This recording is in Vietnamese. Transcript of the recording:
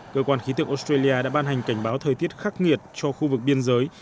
cơ quan khí tượng australia đã ban hành cảnh báo thời tiết khắc nghiệt cho khu vực biên giới